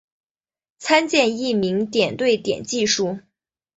参见匿名点对点技术。